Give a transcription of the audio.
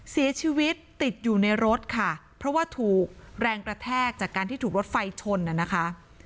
เสียชีวิตติดอยู่ในรถค่ะเพราะว่าถูกแรงกระแทกจากการที่ถูกรถไฟชนน่ะนะคะ